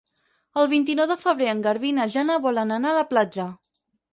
El vint-i-nou de febrer en Garbí i na Jana volen anar a la platja.